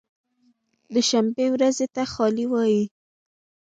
د شنبې ورځې ته خالي وایی